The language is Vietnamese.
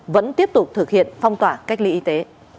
vẫn tiếp tục thực hiện phong tỏa cách ly y tế